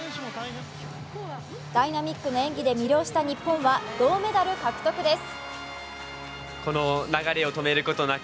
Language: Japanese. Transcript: ダイナミックな演技で魅了した日本は銅メダル獲得です。